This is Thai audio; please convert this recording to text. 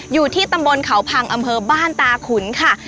อยู่ที่ตำบลเขาพังอำเภอบ้านตาขุนค่ะ